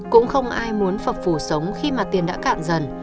cũng không ai muốn phập phủ sống khi mà tiền đã cạn dần